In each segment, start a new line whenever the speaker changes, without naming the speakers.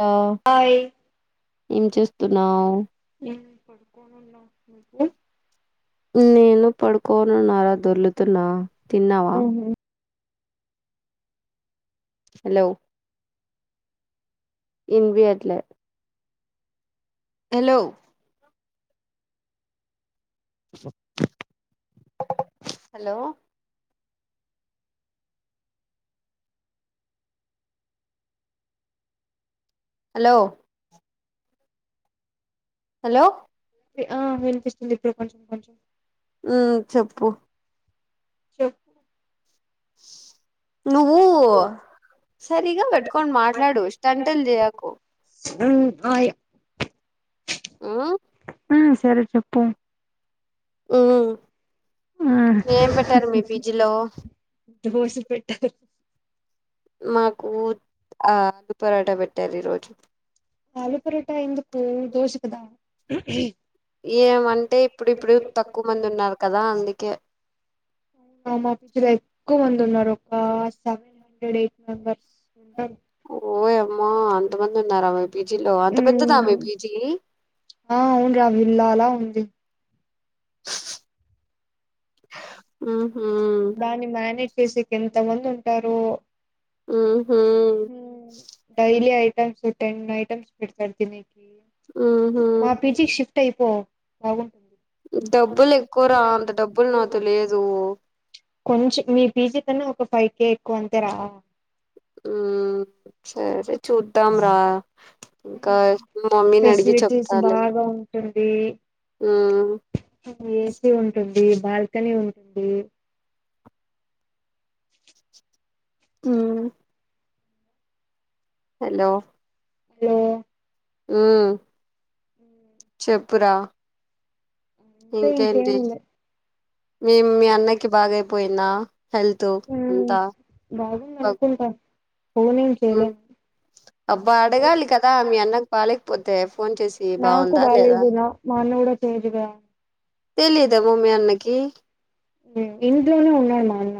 ఆ
ఆయ్.
ఏం చేస్తున్నావు?
నేను పడుకోని ఉన్నా [inaudible]
నేను పడుకోనున్నరా దొర్లుతున్నా. తిన్నవా?
ఉహు
హలో. ఇన్పియట్లే. హలో. Hello hello. హలో.
ఆ వినిపిస్తుంది ఇప్పుడు కొంచెం కొంచెం.
ఉ చెప్పు.
చెప్
నువ్వూ సరిగా పెట్టుకొని మాట్లాడు స్టంటులు చేయకు.
ఆయి
ఆ
ఆ సరే చెప్పు.
ఉ
ఆ
ఏం పెట్టారు మీ పిజిలో?
దోస పెట్టారు.
మాకు ఆలు పరాటా పెట్టారు ఈ రోజు.
ఆలు పరోట ఎందుకు దోశ కదా.
ఏమంటే ఇప్పుడిప్పుడు తక్కువ మంది
అవునా
ఉన్నారు కదా అందుకే.
మా పిజీ లో ఎక్కువ మంది ఉన్నారు. ఒక సెవెన్ హండ్రెడ్ ఎయిట్ మెంబర్స్.
ఓయమ్మా అంతమంది ఉన్నారా మీ పీజీలో అంత పెద్దదా మీ
ఉమ్
పీజీ.
ఆ అవునురా విల్లాలా ఉంది.
ఆహా.
దాన్ని మేనేజ్ చేసేకి ఎంత మంది ఉంటారో.
ఊహూ
డైలీ ఐటమ్స్ టెన్ ఐటెమ్స్ పెడతారు తిన్నీకి.
ఆహా
మా పీజీకి షిఫ్ట్ అయిపో బావుం
డబ్బులు ఎక్కువరా అంత డబ్బులు నాతో లేదు.
కొంచెం మీ పీజీ కన్నా ఒక ఫైవ్ కే ఎక్కువ అంతేరా.
హ్మ్ సరే చూద్దాంరా. ఇంకా మా మమ్మీని అడిగి
ఫెసిలిటీస్
చెప్తాలే.
బాగా
హ్
ఏసి ఉంటుంది, బాల్కనీ ఉంటుంది.
హ్ హలో.
హలో.
ఉ చెప్పురా.
అంతే ఇంకేం
ఇంకేంటి?
లే
మీ మీ అన్నకి బాగయిపోయిందా? హెల్త్
హ్మ్.
అంతా.
బాగుంది అనుకుంటా. ఫోన్ ఏం చేయలేము
అబ్బా అడగాలి కదా మీ అన్నకు బాలేకపోతే ఫోన్ చేసి?
నాకు
బాగుందా లేదా
బాలేదు న మా అన్న కూడా చేయచుగా
తెలీదేమో మీ అన్నకి
ఇంట్లోనే ఉన్నాడు మా అన్న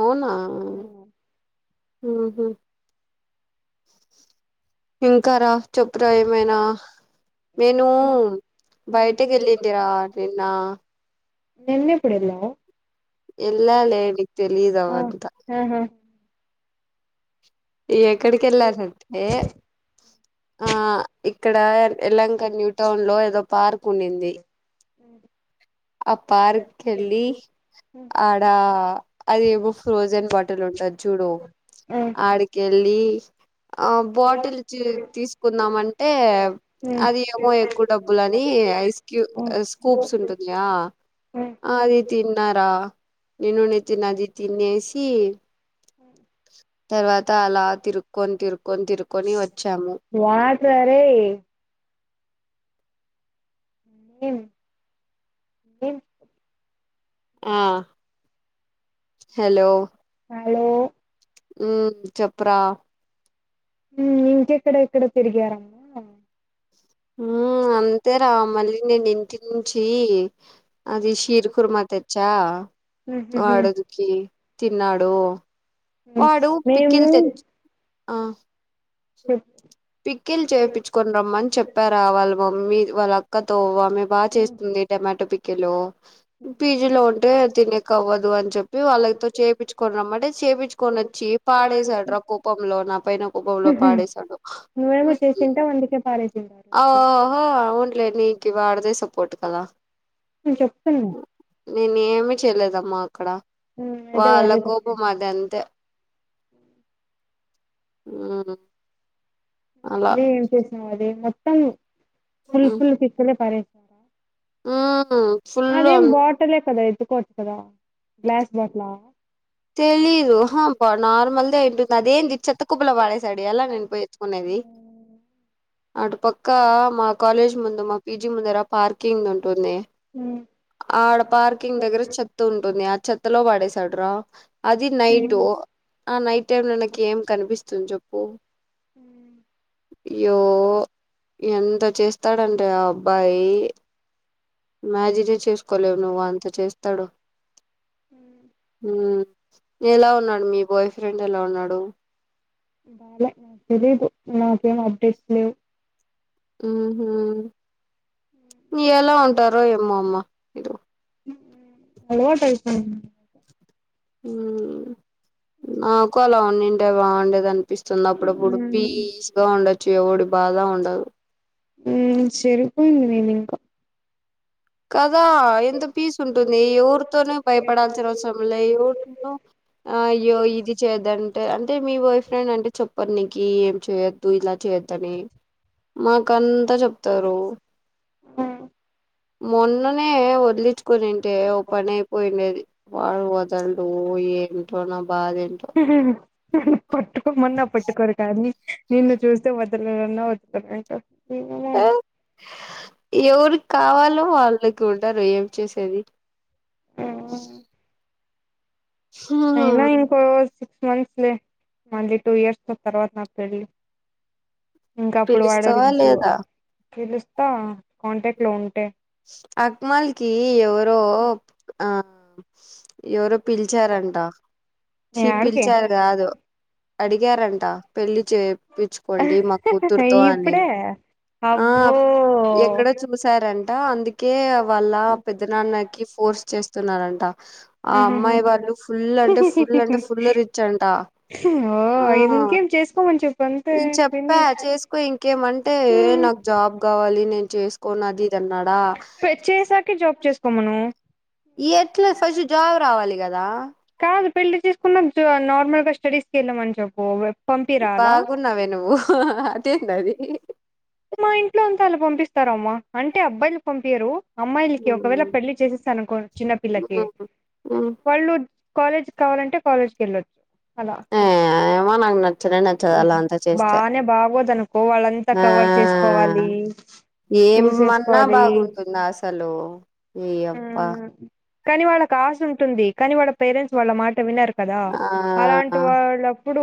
అవునా ఇంకారా చెప్పురా ఏమైనా నేను బయటకి వెళ్ళింటిరా నిన్న
నిన్న ఎప్పుడు వెళ్లావ్
ఎల్లా లే నిక్ తెలీదు
ఆ
అవంతా
ఆహా
ఎక్కడికెళ్లానంటే ఆ ఇక్కడ ఎలంక న్యూ టౌన్ లో ఏదో పార్క్ ఉన్నింది అ పార్కి ఎల్లి ఆడ అది ఏవో ఫ్రోజన్ బాటిల్ ఉంటది చూడు
ఆ
ఆడి లి ఆ బాటిల్స్తీ తీ తీసుకుందామనంటే
ఉమ్
అది ఏమో ఎక్కువ డబ్బులు అని ఐస్ క్యూబ్
ఆ
స్కూబ్స్ ఉంటుంది ఆ
ఆ
ఆది తిన్నారా నేను నితిన్ తినేస్ సి తర్వాత అలా తిరు కొని తిరుకొని తిరుకొని వచ్చాము
వాట్ రా రేయ్ ఎం ఎం
ఆ హలో
హలో
ఉ చెప్పురా
ఉ ఇంక ఎక్కడ ఎక్కడ తిరిగార
ఉ అంతే రా మళ్ళీ నేను ఇంటి నుంచి అది షీర్ కుర్మా తెచ్చా
ఉహుహు
వాడోదికి తిన్నాడు
ఉమ్
వాడు
మేము
పికిల్ తెచ్ ఆ
చెప్
పికిల్ చేపించుకొని రమ్మని చెప్పారా వాళ్ళు మమ్మీ వాళ్ళ అక్కతో ఆమె బాగా చేస్తుంది టమాటో పికీలు పీజీ లో ఉంటే తినేకవ్వదు అని చెప్పి వాళ్ళతో చెప్పిచ్చుకొని రమ్మంటే చెపిచ్ కొని వచ్చి పాడేసాడు రా కోపంలో నా పైన కోపంలో పాడేశాడు
నువ్వేమో చేసింటావు అందుకే పారేసిండు
ఒహో అవునులే నీకు వాడిదే సపోర్ట్ కదా
నేను చెప్తున్నా
నేను ఏమి చేయలేదమ్మా అక్కడ
మ్మ్ అయితే
వాళ్ళ
వాడిదే తప్పు
కోపం అది అంతే ఊ
అన్నీ ఏం చేసినం అది మొత్తం ఫుల్ ఫుల్ పికిలే పడేసినారా
ఫుల్
అదేం బాటిలే కదా ఎత్దుకోవచ్చు కదా గ్లాస్ బాటిలా
తెలిదు హ బ నార్మల్ దే ఐటుం అదేంది చెత్త కుప్పులో పడేశాడు ఎలా నేను పోయి ఎత్తుకునేది అటు పక్క మా కాలేజ్ ముందు మా పీజీ ముందరా పార్కింగ్ది ఉంటుంది
ఉ
ఆడ పార్కింగ్ దగ్గర చెత్త ఉంటుంది ఆ చెత్తలో పడేసాడు రా అది నైటు ఆ నైట్ టైం లో నాకి ఏం కనిపిస్తుంది చెప్పు
అ
అయ్యో ఎంత చేస్తాడంటే ఆ అబ్బాయి ఇమ్యాజినే చేసుకోలేవు నువ్వు అంత చేస్తాడు ఎలా ఉన్నాడు మీ బాయ్ ఫ్రెండ్ ఎలా ఉన్నాడు
బాలే తెలీదు నాకేం అప్డేట్స్ లేవు
ఆహా ఎలా ఉంటారో ఏమ్మో అమ్మ మీరు
అలవాటైపోయింది
నాకు అలా ఉండి ఉంటే బాగుండేదని పిస్తుంది అప్పుడప్పుడు పీస్ గా ఉండొచ్చు ఎవడి బాధ ఉండదు
ఉమ్ సరిపోయింది నేను ఇంకా
కదా ఎంత పీస్ ఉంటుంది ఎవరితోనే భయపడాల్సిన అవసరం లే ఎవరితో అ అయ్యో ఇది చేద్దంటే అంటే మీ బాయ్ ఫ్రెండ్ అంటే చె ప్పా నికి ఏం చేయొద్దు ఇలా చేయొద్దని మాక అంతా చెప్తారు మొన్ననే వదిలించుకునింటే ఓ పని అయిపోయిండేది వాడు వదల్డు ఏంటో నా బాధ ఏంటో
పట్టుకో మన్న పట్టుకోరు కానీ నిన్ను చూస్ స్తే వదలరు అన్న పట్టుకోడం ఏంటో
ఎవరికి కావాలో వాళ్ళకి ఉండరు ఏం చేసేది
ఆ!
ఆ
అయినా ఇంకో సిక్స్ మంత్స్ లే మళ్ళీ టూ ఇయర్స్ లో తర్వాత నాకు పెళ్లి ఇంకా అప్పుడు వాడ
పిలుస్తావా
చో
లేదా
పిలు స్తా కాంటాక్ట్ లో ఉంటే
అక్మల్కి ఎవరో ఆ ఎవరో పిలిచారంట చీ
యాడికి
పిలిచారు కాదు అడిగారంట పెళ్లి చే ప్పించుకోండి మా కూతురుతో అని
ఇప్పుడే
ఆ
అబ్బో
ఎక్కడ చూసి సారంట అందుకే వాళ్ళ పెద్ద నాన్నకి ఫోర్స్ చేస్తున్నారంట ఆ
ఉహుహు
అమ్మాయి వాళ్ళు ఫుల్ అంటే ఫుల్ అంటే ఫుల్ రిచ్ అంట
ఓ
ఆ
ఇంకేం చేసుకోమని చెప్పు అంతే
నేను
పెళ్లి
చెప్పా
చేసుకో
ఇంకేమంటే నాకు
ఆ
జాబ్ కావాలి నేను చేసుకొను అది ఇద అన్నాడా
పె చేసాకే జాబ్ చేసుకోమను
ఏట్లా ఫస్ట్ జాబ్ రావాలి కదా
కాదు పెళ్లి చేసుకున్న నార్మల్ గా స్టడీస్కి వెళ్ళామని చెప్పు పంపిరా అలా
బాగున్నావే నువ్వు అదేంది అది
మా ఇంట్లో అంత అలా పంపిస్తారమ్మా అంటే అబ్బాయిలు పంపియరు అమ్మాయిలకి ఒకవేళ
మ్మ్
పెళ్లి చేసేస్తానుకో చిన్నపిల్లకి
మ్మ్ మ్మ్
వాళ్ళు కాలేజ్ కావాలంటే కాలేజ్కి వెళ్ళొచ్చు అలా
ఆ ఏమో నాకు నచ్చనే నచ్చదు అలా
ఓహో.
అంతా చేస్తే
బానే బాగోదనుకో వాళ్ళంతా
ఆ
కవర్ చేసుకోవాలి
ఏమన్నా
చూసేసుకోవాలి
బాగుంటుంద అ సలు ఏ అప్పా
మ్మ్. కానీ వాళ్ళకి ఆశ ఉంటుంది కానీ వాళ్ళ పేరెంట్స్ వాళ్ళ మాట విన్నారు కదా
ఆ
అలాం టి వాళ్ళప్పుడు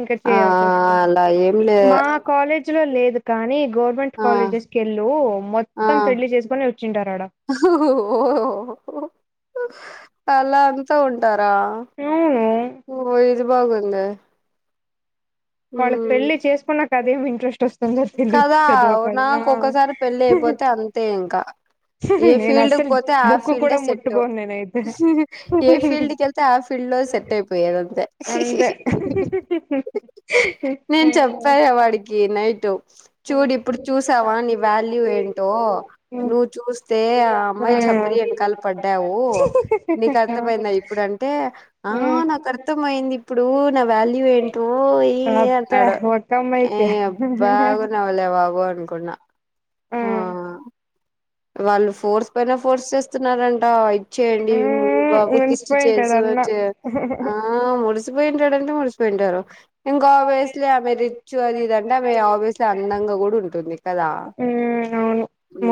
ఇంకా
ఆ
చేయాల్సి వస్తుంది
అలా ఏం లే
మా కాలేజ్ లో లేదు కానీ గవర్ మెంట్
ఆ
కాలేజెస్ కెళ్ళు మొత్తం పెళ్లి చేసుకొని వచ్చుంటారాడ
ఓహో అలా వస్తా ఉంటారా
అవును
ఓ ఇది బాగుందే
వాళ్ళకి పెళ్ళి
మ్మ్
చేసుకున్నాక అదేమి ఇంట్రెస్ట్ వస్
కదా నాకు ఒకసారి పెళ్లి అయిపోతే అంతే ఇకా ఏ
నేను
ఫీల్డ్ కు
అస్సలు
పోతే ఆ
బుక్కు
ఫీల్డే
కూడా
సెట్టు
ముట్టుకోను నేనైతే
ఏ ఫీల్డ్కి వెళ్ తె ఆ ఫీల్డ్ లో సెట్ అయిపోయదంతే
అంతే
నేను చెప్పార వాడికి నైట్ చూడు ఇప్పుడు చూసావా నీ వాల్యూ ఏంటో నువ్ చూస్తే ఆ అమ్మాయి చప్రి వెనకల పడ్డావు నీకు అర్థమైందా ఇప్పుడు అంటే ఆ నాకు అర్థమయింది ఇప్పుడు నా వాల్యూ ఏంటో ఏ ఈ అన్నాడు ఏ
ఆమైతే
[unintelligible] బాబు అనుకున్నా ఆ వాళ్ళు ఫోర్స్ పైన ఫోర్స్ చేస్తున్నారంట ఇప్ చేయండి
మ్మ్
బాబుకి ఇచ్చి
మున్సిపోయింటాడు
చేసు
అన్న
చె ఆ ఆ ముడిసిపోయింటాడంటే ముడిసిపోయింటారు ఇంకా ఆబయస్లీ ఆమె రిచ్ అది ఇది అంటే ఆమె ఆవియస్లీ అందంగా కూడా ఉంటుంది ఇక కదా
మ్మ్ అవును
ఊ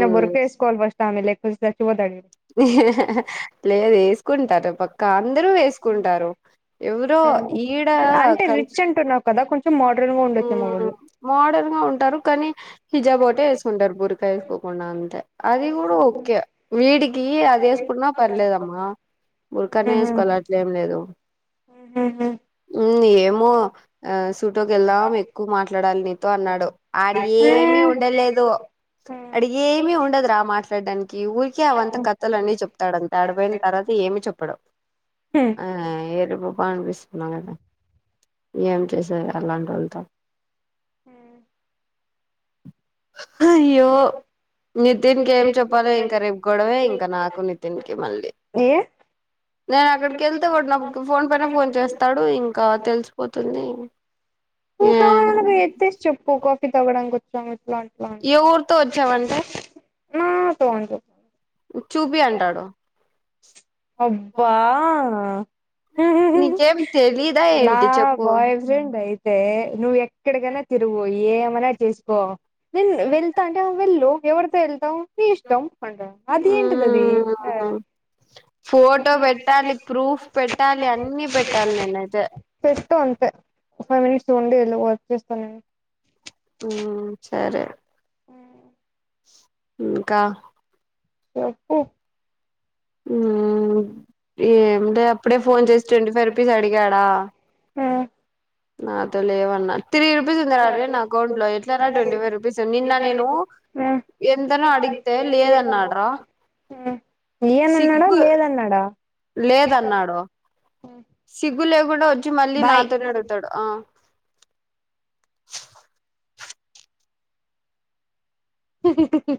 ఇగ బురకెసుకోవల్ ఫస్ట్ ఆమె లేపోతే చచ్చిపోతాడు ఈడు
లేదు ఏస్ క్కుంటారు పక్క అందరూ వేసుకుంటారు ఎవరో ఈడ
అంటే
కంచ్
రిచ్ అంటున్నావు కదా కొంచం మోడ్రన్ గా ఉండచ్చు ఏమో ళ్ళు
మోడర్న్ గా ఉంటారు కానీ హిజాబోటే వేసుకుంటారు బురకా వేసుకోకుండా అంతే అది కూడా ఓకే వీడికి అది వేసుకున్నా పర్లేదమ్మా ఉరకనే వేసుకోవాలి అట్లేం లేదు
ఊ
ఊ ఏమో ఆ సూటోకి వెళ్దాం ఎక్కువ మాట్లాడాలి నీతో అన్నాడు ఆడు ఏమి ఉండలేదు అడి ఏమి ఉండదురా మాట్లాడడానికి ఊరికే అవంత కథలన్ని చెప్ తడ ఆడపోయిన తర్వాత ఏమి చెప్పడు
ఉ
ఆ ఏరుపుపా అపిసిన్నాదా ఏం చేసార అలాంటోల్లతో
ఊ
హయ్యో నితిన్ కి ఏం చెప్పలి ఇంకా రేపు గొడవే ఇంకా నాకు నితిన్ కి మళ్ళీ
ఎ
నేను అక్కడికి వెళ్తే ఒకడు నాకు ఫోన్ పైన ఫోన్ చేస్తాడు ఇంకా తెలిసిపోతుంది ఆ
ఇంకానకు ఎత్తేసి చెప్పు కాఫీ తగడం కొచం ఇట్లా అని అట్లా
ఏ ఊరితో వచ్చావంటే
నాతో అని చెప్పు
చూపి అంటాడు
అబ్బా
నీకేం తెలీదా
నా
ఏంటి చెప్పు
బాయ్ ఫ్రెండ్ అయి తె నువ్వు ఎక్కడికైనా తిరుగు ఏమైనా చేసుకో నేను వెళ్తా అంటే వెళ్ళు ఎవరితో వెళ్తావ్ నీ ఇష్టం అంట అదింటిదదీ ఆ
మ్మ్ ఫోటో పెట్టాలి ప్రూఫ్ పెట్టాలి అన్ని పెట్టాలి నేనైయితే
ఫేస్ట్ అంతే ఫైవ్ మినిట్స్ ఉండి వెళ్ళ వర్క్ చేస్తాను నేను
మ్మ్ సరే
మ్మ్
ఇంకా
చెప్పు
మ్మ్ ఏంటే అప్పుడే ఫోన్ చేసి ట్వంటీ ఫైవ్ రూపీస్ అడిగాడా
యా
నాతో లేవన్నా త్రీ రూపీస్ ఉంది ఆడే నా అకౌంట్ లో ఎట్లార ట్వంటీ ఫైవ్ రూపీస్ నిన్న నేను
మ్మ్
ఎంతనో అడి తే లేదన్నాడ్రా
మ్మ్ ఇయ్యనన్నాడా
సిగ్గు
లేదన్నాడా
లేదన్నాడు సిగ్గు లేకుండా వచ్చి మళ్ళీ
బాయ్
నాతోనే అడుగుతాడు ఆ
హి హి హిహ్